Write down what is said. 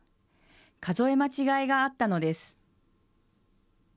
数え間違いがあったのです。